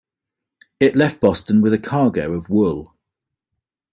It left Boston with a cargo of wool.